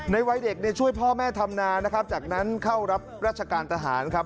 ในวัยเด็กช่วยพ่อแม่ธรรมนาจากนั้นเข้ารับรัชกาลทหารครับ